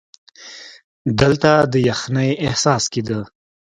دلته د یخنۍ احساس کېده.